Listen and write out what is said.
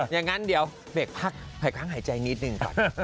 อย่างนั้นเดี๋ยวเบรกพักหายค้างหายใจนิดหนึ่งก่อน